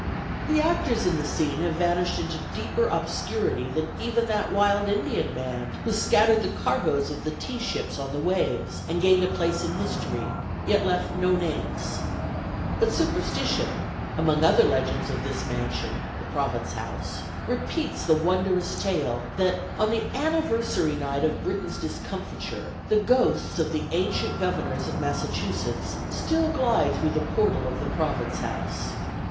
"The actors in the scene have vanished into deeper obscurity than even that wild Indian band who scattered the cargoes of the tea ships on the waves, and gained a place in history, yet left no names. But superstition, among other legends of this mansion, (the Province House) repeats the wondrous tale, that on the anniversary night of Britain's discomfiture the ghosts of the ancient governors of Massachusetts still glide through the portal of the Province House.